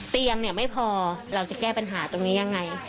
เตียงเนี่ยไม่พอเราจะแก้ปัญหาตรงนี้ยังไง